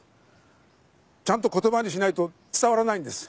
ちゃんと言葉にしないと伝わらないんです。